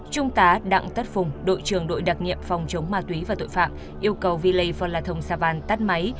trung tá đặng tất phùng đội trưởng đội đặc nghiệp phòng chống ma túy và tội phạm yêu cầu villei phonla thong savan tắt máy